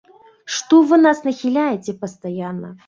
Што вы нас нахіляеце пастаянна?